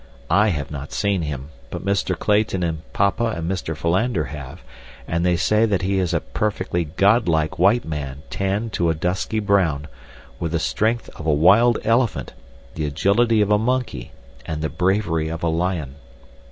I have not seen him, but Mr. Clayton and papa and Mr. Philander have, and they say that he is a perfectly god like white man tanned to a dusky brown, with the strength of a wild elephant, the agility of a monkey, and the bravery of a lion.